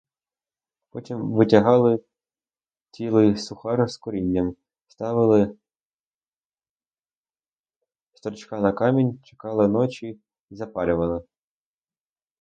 Потім витягали цілий сухар з корінням, ставили сторчака на камінь, чекали ночі й запалювали.